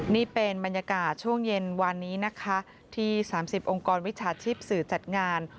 นี่เป็นบรรยากาศช่วงเย็นวานนี้นะคะที่๓๐องค์กรวิชาชีพสื่อจัดงาน